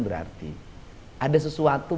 berarti ada sesuatu